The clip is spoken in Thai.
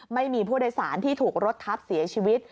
ไม่มีผู้โดยสารที่ถูกรถทับเสียชีวิต